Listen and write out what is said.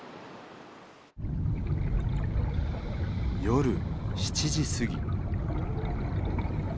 夜７時過ぎ。